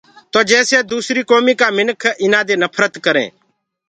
تو جيسي دوسريٚ ڪوميٚ ڪآ مِنک ايٚنآ دي نڦرت ڪَرينٚ۔